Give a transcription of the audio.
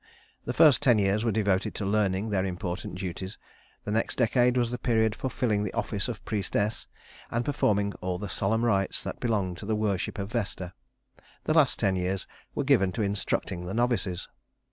The first ten years were devoted to learning their important duties; the next decade was the period for filling the office of priestess, and performing all the solemn rites that belonged to the worship of Vesta; the last ten years were given to instructing the novices.